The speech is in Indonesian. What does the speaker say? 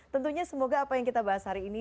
tentunya semoga apa yang kita bahas hari ini